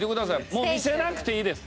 もう見せなくていいです。